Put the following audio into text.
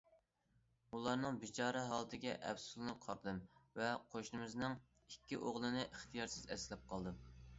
ئۇلارنىڭ بىچارە ھالىتىگە ئەپسۇسلىنىپ قارىدىم ۋە قوشنىمىزنىڭ ئىككى ئوغلىنى ئىختىيارسىز ئەسلەپ قالدىم.